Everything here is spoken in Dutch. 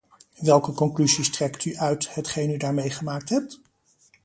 Welke conclusies trekt u uit hetgeen u daar meegemaakt hebt?